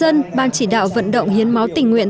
dân ban chỉ đạo vận động hiến máu tình nguyện